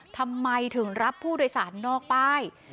ทำไมถึงรับผู้โดยสารนอกป้าย